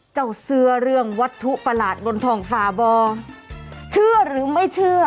เจ้าเสื้อเรื่องวัตถุประหลาดบนทองฝาบ่อเชื่อหรือไม่เชื่อ